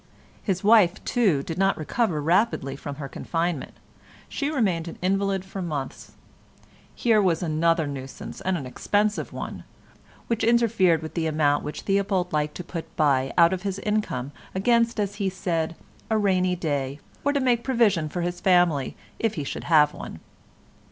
His wife, too, did not recover rapidly from her confinement; she remained an invalid for months; here was another nuisance and an expensive one, which interfered with the amount which Theobald liked to put by out of his income against, as he said, a rainy day, or to make provision for his family if he should have one.